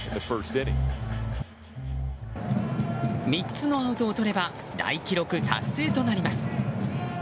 ３つのアウトをとれば大記録達成となります。